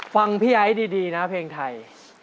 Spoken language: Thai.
ฟังพี่ไอ้ดีนะเพลงไทย